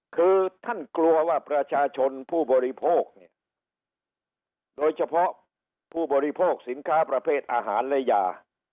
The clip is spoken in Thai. คือท่านกลัวว่าประชาชนผู้บริโภคเนี่ยโดยเฉพาะผู้บริโภคสินค้าประเภทอาหารและยา